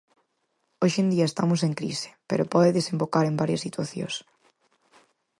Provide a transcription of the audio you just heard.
Hoxe en día estamos en crise, pero pode desembocar en varias situacións.